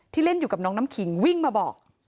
เล่นอยู่กับน้องน้ำขิงวิ่งมาบอก